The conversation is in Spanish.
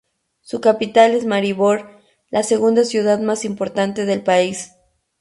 Su capital es Maribor, la segunda ciudad más importante del país.